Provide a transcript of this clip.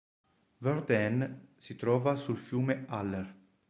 Verden si trova sul fiume Aller.